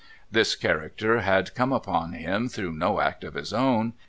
This character had come upon him through no act of his own.